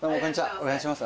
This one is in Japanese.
お願いします。